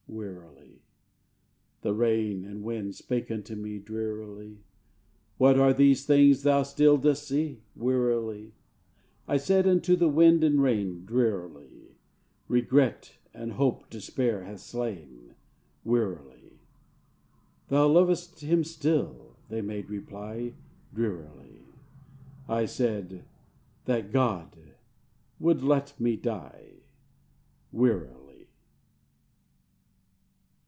(Wearily.) The rain and wind spake unto me, Drearily: "What are these things thou still dost see?" (Wearily.) I said unto the wind and rain, Drearily: "Regret, and hope despair hath slain." (Wearily.) "Thou lov'st him still," they made reply, Drearily. I said, "That God would let me die!" (Wearily.)